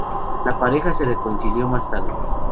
La pareja se reconcilió más tarde.